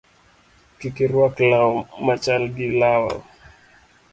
Kik iruak law machal gi lawa